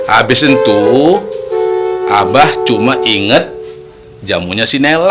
abis itu abah cuma inget jamunya